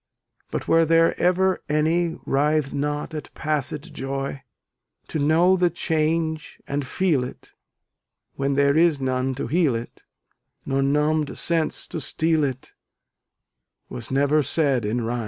But were there ever any Writh'd not at passed joy? To know the change and feel it, When there is none to heal it, Nor numbed sense to steal it, Was never said in rhyme.